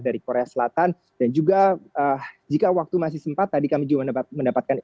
dari korea selatan dan juga jika waktu masih sempat tadi kami juga mendapatkan